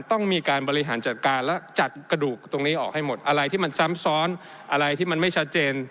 ต้องมีการบริหารจัดการและจัดกระดูกตรงนี้ออกให้หมดอะไรที่มันซ้ำซ้อนอะไรที่มันไม่ชัดเจน